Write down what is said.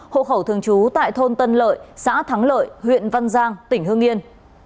hộ khẩu thường trú tại thôn tân lợi xã thắng lợi huyện văn giang tỉnh hương yên